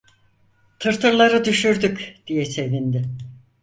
"Tırtılları düşürdük" diye sevindi.